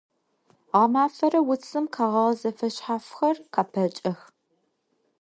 Гъэмафэрэ уцым къэгъэгъэ зэфэшъхьафхэр къапэкӏэх.